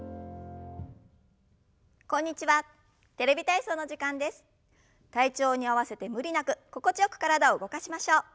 体調に合わせて無理なく心地よく体を動かしましょう。